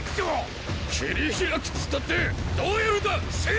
切り開くっつったってどうやるんだ信！